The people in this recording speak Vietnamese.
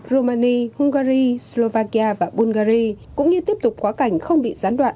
romania hungary slovakia và bulgaria cũng như tiếp tục quá cảnh không bị gián đoạn